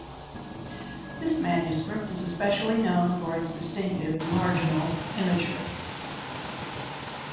This manuscript is especially known for its distinctive marginal imagery.